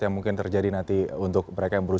yang mungkin terjadi nanti untuk mereka yang berusia